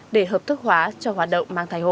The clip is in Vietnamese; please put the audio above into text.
để hợp thức hóa cho hoạt động mang thai hộ